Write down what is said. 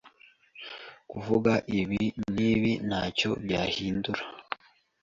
kuvuga ibi n’ibi ntacyo byahindura